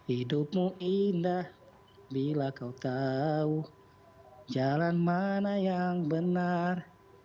hidupmu indah bila kau tahu jalan mana yang benar